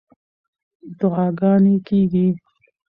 دعاګانې کېږي.